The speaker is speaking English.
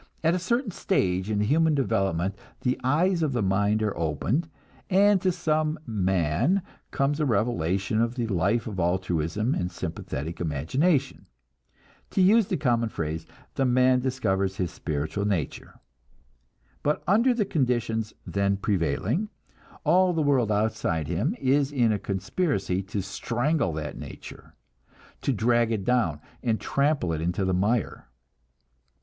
At a certain stage in human development the eyes of the mind are opened, and to some man comes a revelation of the life of altruism and sympathetic imagination. To use the common phrase, the man discovers his spiritual nature. But under the conditions then prevailing, all the world outside him is in a conspiracy to strangle that nature, to drag it down and trample it into the mire.